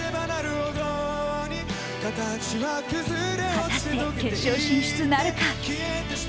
果たして決勝進出なるか。